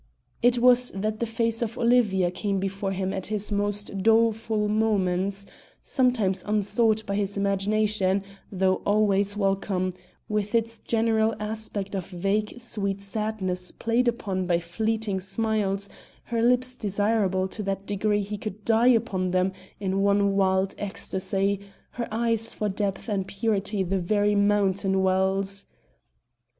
It was that the face of Olivia came before him at his most doleful moments sometimes unsought by his imagination, though always welcome; with its general aspect of vague sweet sadness played upon by fleeting smiles, her lips desirable to that degree he could die upon them in one wild ecstasy, her eyes for depth and purity the very mountain wells.